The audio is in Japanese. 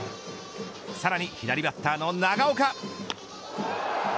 さらに左バッターの長岡。